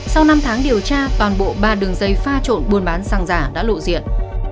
sau năm tháng điều tra toàn bộ ba đường dây pha trộn buôn bán xăng giả đã lộ diện